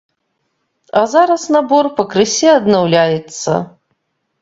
А зараз набор пакрысе аднаўляецца.